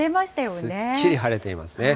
すっきり晴れていますね。